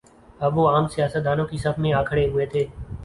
اب وہ عام سیاست دانوں کی صف میں آ کھڑے ہوئے تھے۔